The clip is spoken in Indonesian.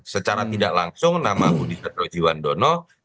secara tidak langsung nama budi satrio jiwandono